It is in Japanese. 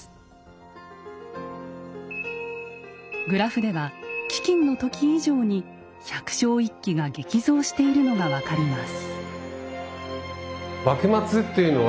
グラフでは飢きんの時以上に百姓一揆が激増しているのが分かります。